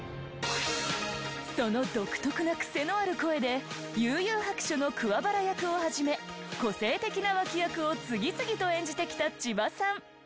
その独特な癖のある声で『幽☆遊☆白書』の桑原役をはじめ個性的な脇役を次々と演じてきた千葉さん。